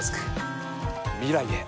未来へ。